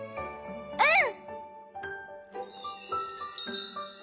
うん！